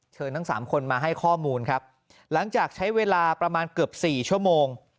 ทั้งสามคนมาให้ข้อมูลครับหลังจากใช้เวลาประมาณเกือบสี่ชั่วโมง